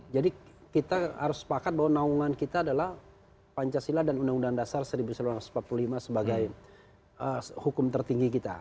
jadi kita harus sepakat bahwa naungan kita adalah pancasila dan undang undang dasar seribu sembilan ratus empat puluh lima sebagai hukum tertinggi kita